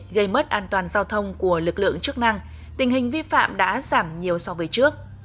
gây mất an toàn giao thông của lực lượng chức năng tình hình vi phạm đã giảm nhiều so với trước